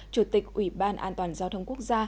chủ tịch ủy ban an toàn giao thông quốc gia